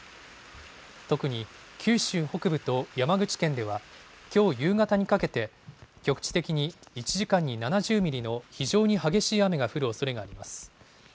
特に九州北部と山口県ではきょう夕方にかけて、局地的に１時間に７０ミリの非常に激しい雨が降るおそれがあります。